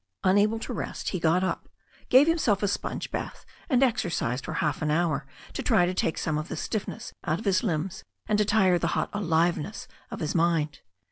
Unable to rest, he got up, gave himself a sponge bath, and exercised for half an hour to try to take some of the stiffness out of his limbs, and to tire the hot aliveness of his mind.